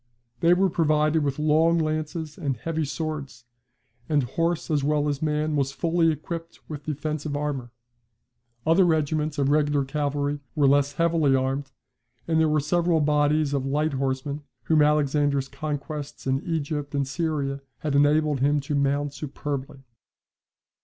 They were provided with long lances and heavy swords, and horse as well as man was fully equipped with defensive armour. Other regiments of regular cavalry were less heavily armed, and there were several bodies of light horsemen, whom Alexander's conquests in Egypt and Syria had enabled him to mount superbly.